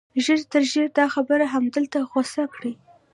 ژر تر ژره دا خبره همدلته غوڅه کړئ